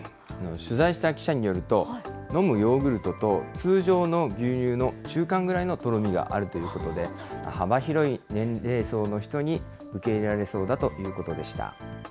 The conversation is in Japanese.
取材した記者によると、飲むヨーグルトと通常の牛乳の中間ぐらいのとろみがあるということで、幅広い年齢層の人に、受け入れられそうだということでした。